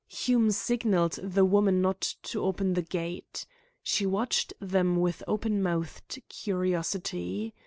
Hume signalled the woman not to open the gate. She watched them with open mouthed curiosity.